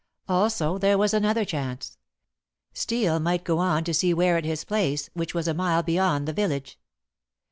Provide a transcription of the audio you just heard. Also there was another chance. Steel might go on to see Ware at his place, which was a mile beyond the village.